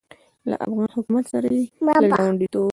له افغان حکومت سره یې له ګاونډیتوب